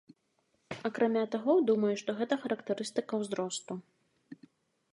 Акрамя таго, думаю, што гэта характарыстыка ўзросту.